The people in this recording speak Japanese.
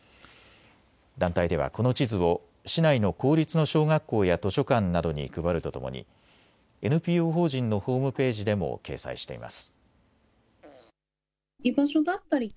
団体では、この地図を市内の公立の小学校や図書館などに配るとともにＮＰＯ法人のホームページでも掲載しています。